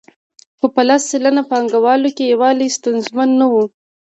خو په لس سلنه پانګوالو کې یووالی ستونزمن نه وو